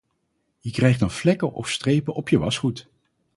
Je krijgt dan vlekken of strepen op je wasgoed.